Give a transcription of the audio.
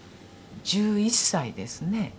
１１歳ですね。